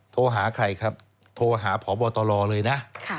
โทรหาใครครับโทรหาพบตรเลยนะ